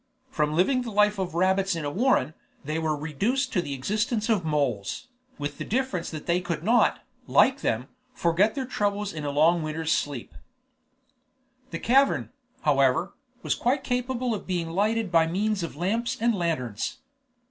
From living the life of rabbits in a warren, they were reduced to the existence of moles, with the difference that they could not, like them, forget their troubles in a long winter's sleep. The cavern, however, was quite capable of being lighted by means of lamps and lanterns.